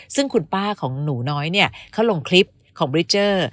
ซึ่งคุณป้าของหนูน้อยเนี่ยเขาลงคลิปของบริเจอร์